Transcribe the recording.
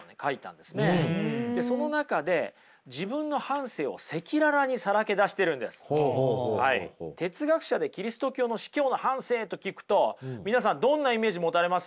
でその中で哲学者でキリスト教の司教の半生と聞くと皆さんどんなイメージ持たれます？